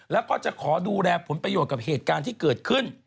แล้วก็จะขอดูแลผลประโยชน์กับเหตุการณ์ที่เกิดขึ้น